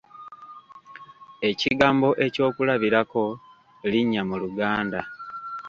Ekigambo ekyokulabirako linnya mu Luganda.